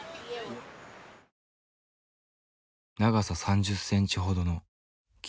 長さ３０センチほどの木。